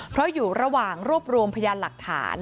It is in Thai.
เพราะอยู่ระหว่างรวบรวมพยานหลักฐาน